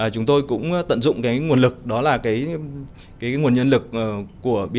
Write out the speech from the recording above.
chúng tôi cũng tận dụng cái nguồn lực đó là cái nguồn nhân lực của